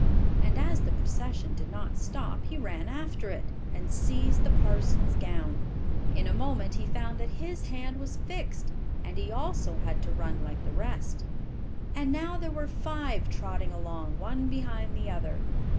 And as the procession did not stop, he ran after it, and seized the parson's gown. In a moment he found that his hand was fixed, and he also had to run like the rest. And now there were five trotting along, one behind the other.